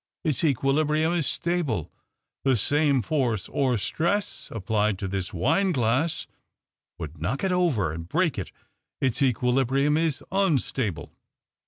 Its equilibrium is stable. The same force or stress applied to this wine glass would knock it over and break it — its equilibrium is unstable.